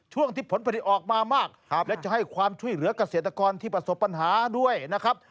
ช่วงที่ผลผลิตออกมามากและจะให้ความช่วยเหลือกเกษตรกรที่ประสบปัญหาด้วยนะครับ